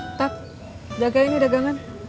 tetap jagain dagangan